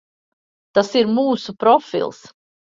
Tas ir mūsu profils.